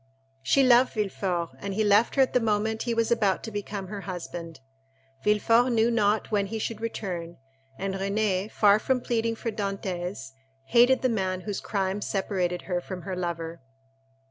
She loved Villefort, and he left her at the moment he was about to become her husband. Villefort knew not when he should return, and Renée, far from pleading for Dantès, hated the man whose crime separated her from her lover.